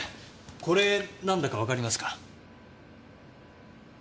これなんだかわかりますか？